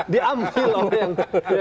diambil loh yang